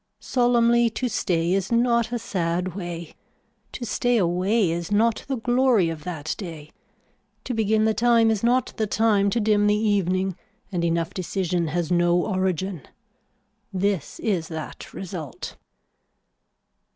Solemnly to stay is not a sad way. To stay away is not the glory of that day. To begin the time is not the time to dim the evening and enough decision has no origin. This is that result.